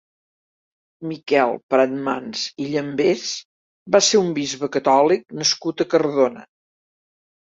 Miquel Pratmans i Llambés va ser un bisbe catòlic nascut a Cardona.